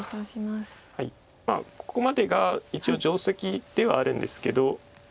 ここまでが一応定石ではあるんですけど。